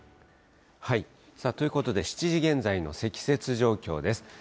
ということで、７時現在の積雪状況です。